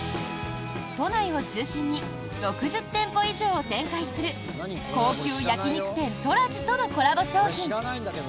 都内を中心に６０店舗以上を展開する高級焼肉店トラジとのコラボ商品。